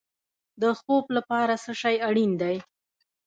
د خوب لپاره څه شی اړین دی؟